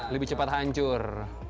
lebih cepat hancur